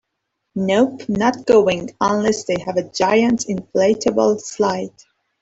Nope, not going unless they have a giant inflatable slide.